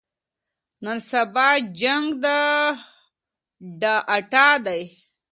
نن سبا جنګ د ډاټا دی.